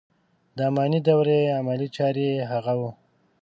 د اماني دورې عملي چاره یې هغه و.